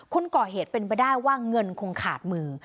คนก่อเหตุเป็นไปได้ว่าเงินคงขาดมือ